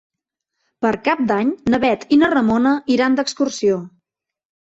Per Cap d'Any na Bet i na Ramona iran d'excursió.